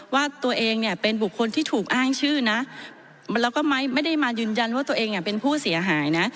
ว่าตัวเองเนี่ยเป็นบุคคลที่ถูกอ้างชื่อนะแล้วก็ไม่ได้มายืนยันว่าตัวเองเป็นผู้เสียหายนะ